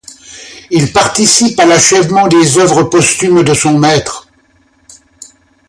Il participe à l'achèvement des œuvres posthumes de son maître.